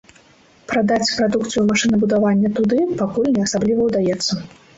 Прадаць прадукцыю машынабудавання туды пакуль не асабліва ўдаецца.